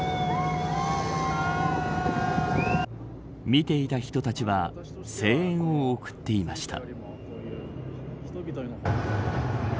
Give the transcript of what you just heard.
見ていた人たちは声援を送っていました。